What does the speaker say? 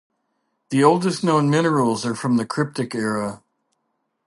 The oldest known minerals are from the Cryptic era.